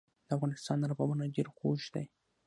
د افغانستان رباب ډیر خوږ دی